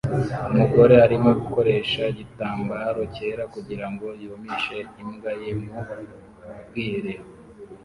Umugore arimo gukoresha igitambaro cyera kugirango yumishe imbwa ye mu bwiherero